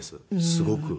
すごく。